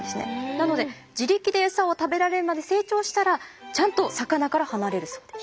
なので自力でエサを食べられるまで成長したらちゃんと魚から離れるそうです。